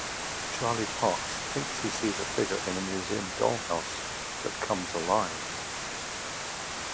Charley Parkes thinks he sees a figure in a museum dollhouse that comes alive.